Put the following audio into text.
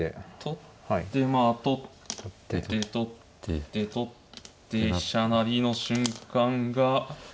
取ってまあ取って取って取って飛車成りの瞬間が。